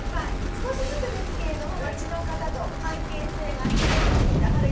少しずつですけれども町の方と関係性が築けてきたハルヒさんはですね